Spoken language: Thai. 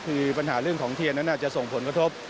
คือปัญหาเรื่องของเทียนนั้นอาจจะส่งผลกระทบ